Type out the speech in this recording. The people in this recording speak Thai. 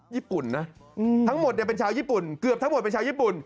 ญี่ปุ่นนะทั้งหมดเป็นชาวญี่ปุ่นเกือบทั้งหมดเป็นชาวญี่ปุ่น